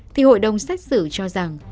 thì hội đồng xét xử cho rằng